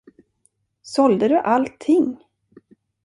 Sålde du allting?